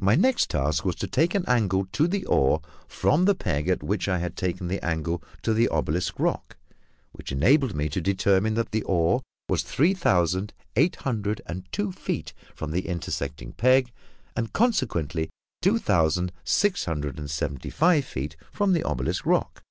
My next task was to take an angle to the oar from the peg at which I had taken the angle to the obelisk rock, which enabled me to determine that the oar was three thousand eight hundred and two feet from the intersecting peg, and consequently two thousand six hundred and seventy five feet from the obelisk rock.